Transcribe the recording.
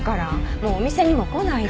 もうお店にも来ないで。